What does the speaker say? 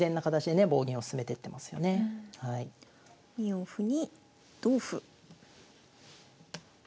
２四歩に同歩。